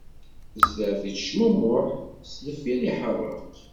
Zdat ittecmummuḥ, sdeffir iḥeṛṛeq.